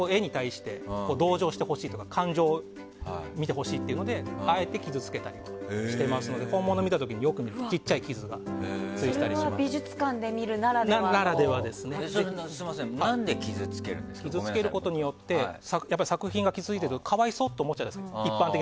絵に対して同乗してほしいとか感情を見てほしいというのであえて傷をつけたりとかしていますので本物を見たときよく見るとそれは美術館で見るならではの。傷つけることによって作品が傷ついて可哀想って思うじゃないですか。